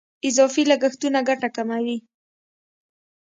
اضافي لګښتونه ګټه کموي.